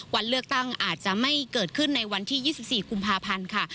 วันเลือกตั้งอาจจะไม่เกิดขึ้นในวันที่๒๔กุมภาพันธ์ค่ะ